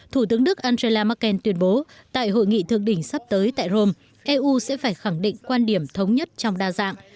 thủ tướng đức angela merkel tuyên bố tại hội nghị thượng đỉnh sắp tới tại rome eu sẽ phải khẳng định quan điểm thống nhất trong đa dạng